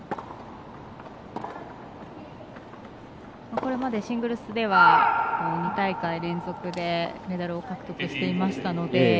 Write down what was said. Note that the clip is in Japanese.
これまでシングルスでは２大会連続でメダルを獲得していましたので。